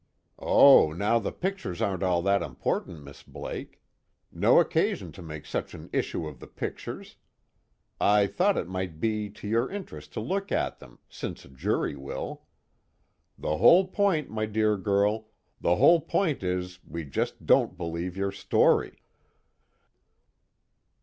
"Oh, now, the pictures aren't all that important, Miss Blake. No occasion to make such an issue of the pictures. I thought it might be to your interest to look at them, since a jury will. The whole point, my dear girl the whole point is we just don't believe your story."